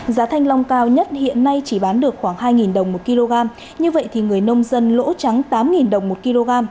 giá thanh long cao nhất hiện nay chỉ bán được khoảng hai đồng một kg như vậy thì người nông dân lỗ trắng tám đồng một kg